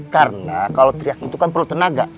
karena kalau teriak itu kan perlu tenaga